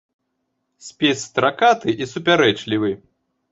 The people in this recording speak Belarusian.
Спіс стракаты і супярэчлівы.